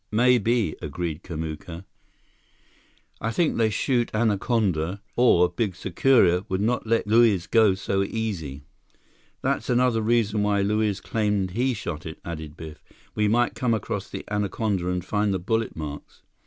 "Maybe," agreed Kamuka. "I think they shoot anaconda, or big sucuria would not let Luiz go so easy." "That's another reason why Luiz claimed he shot it," added Biff. "We might come across the anaconda and find the bullet marks."